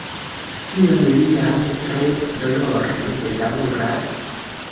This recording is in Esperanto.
Tion li jam tre dolore bedaŭras.